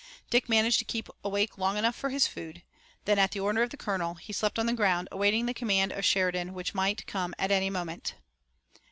Dick managed to keep awake long enough for his food, and then, at the order of the colonel, he slept on the ground, awaiting the command of Sheridan which might come at any moment.